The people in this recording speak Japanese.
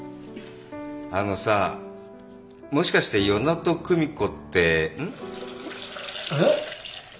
あのさもしかして与那と久美子ってうん？えっ？えっ？